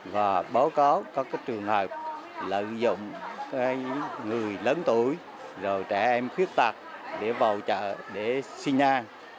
và báo cáo có trường hợp lợi dụng người lớn tuổi trẻ em khuyết tạc để vào chợ xin ăn